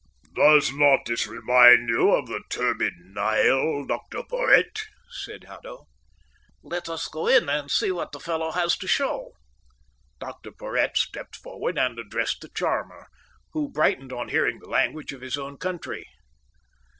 "Does not this remind you of the turbid Nile, Dr Porhoët?" said Haddo. "Let us go in and see what the fellow has to show." Dr Porhoët stepped forward and addressed the charmer, who brightened on hearing the language of his own country.